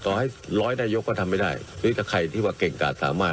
ต่อให้ร้อยนายกก็ทำไม่ได้หรือถ้าใครที่ว่าเก่งกาดสามารถ